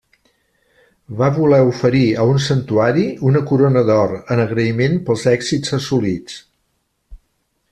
Va voler oferir a un santuari una corona d'or, en agraïment pels èxits assolits.